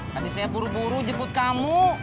tadi saya buru buru jemput kamu